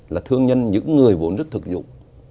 là thương nhân những người vốn rất thực dụng